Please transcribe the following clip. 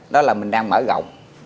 đó là mình đang mở rộng